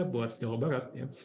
buat jawa barat